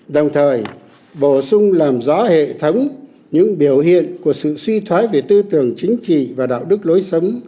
đồng thời bổ sung làm rõ hệ thống những biểu hiện của sự suy thoái về tư tưởng chính trị và đạo đức lối sống